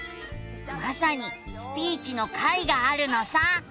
まさに「スピーチ」の回があるのさ。